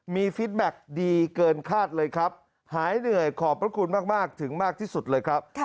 มีฟิตแบ็คดีเกินคาดเลยครับหายเหนื่อยขอบพระคุณมากถึงมากที่สุดเลยครับ